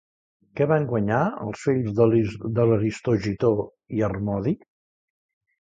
Què van guanyar els fills d'Aristogitó i Harmodi?